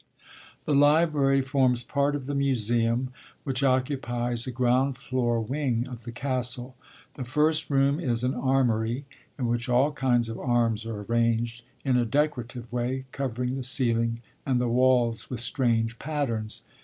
The library forms part of the Museum, which occupies a ground floor wing of the castle. The first room is an armoury, in which all kinds of arms are arranged, in a decorative way, covering the ceiling and the walls with strange patterns.